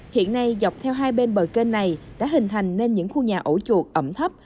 hiện nay dọc theo hai bên bờ kênh này đã hình thành nên những khu nhà ổ chuột ẩm thấp